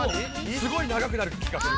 すごい長くなる気がする。